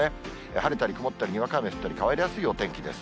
晴れたり曇ったり、にわか雨降ったり、変わりやすいお天気です。